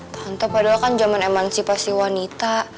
tante padahal kan zaman emansipasi wanita